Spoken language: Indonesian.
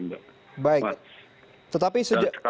baik tetapi sudah